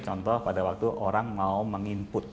contoh pada waktu orang mau meng input output dari produksi